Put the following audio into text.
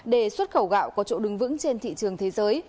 để xuất khẩu gạo có chỗ đứng vững trên thị trường thế giới